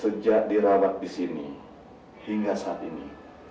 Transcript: sejak dirawat di sini hingga saat ini